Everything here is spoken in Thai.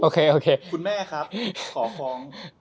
คุณแม่ครับขอคลอง